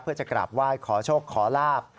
เพื่อจะกราบไหว้ขอโชคขอลาบ